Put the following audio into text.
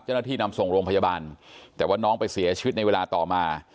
นำส่งโรงพยาบาลแต่ว่าน้องไปเสียชีวิตในเวลาต่อมา